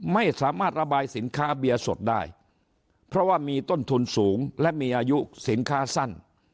ไม่สามารถระบายสินค้าเบียร์สดได้เพราะว่ามีต้นทุนสูงและมีอายุสินค้าสั้น